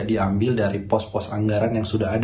diambil dari pos pos anggaran yang sudah ada